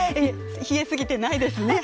冷え過ぎてないですね。